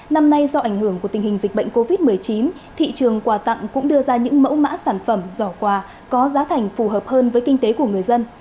năm nay do ảnh hưởng của tình hình dịch bệnh covid một mươi chín thị trường quà tặng cũng đưa ra những mẫu mã sản phẩm giỏ quà có giá thành phù hợp hơn với kinh tế của người dân